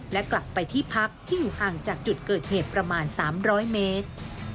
และกลับไปที่พักที่อยู่ห่างจากจุดเกิดเหตุประมาณ๓๐๐เมตร